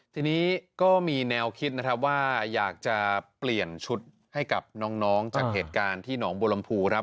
ทีนี้ก็มีแนวคิดนะครับว่าอยากจะเปลี่ยนชุดให้กับน้องจากเหตุการณ์ที่หนองบัวลำพูครับ